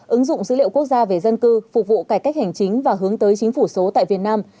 ứng dụng dữ liệu quốc gia về dân cư phục vụ cải cách hành chính và hướng tới chính phủ số tại việt nam